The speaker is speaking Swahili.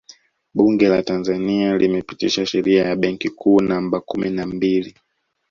Bunge la Tanzania lilipitisha Sheria ya Benki Kuu Namba kumi na mbili